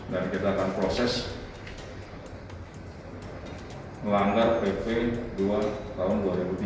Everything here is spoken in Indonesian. dan kita akan proses melanggar pp dua tahun dua ribu tiga